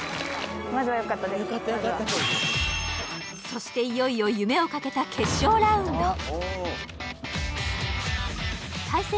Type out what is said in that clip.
そしていよいよ夢をかけた決勝ラウンド対戦